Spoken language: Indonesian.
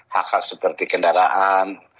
hak hak seperti kendaraan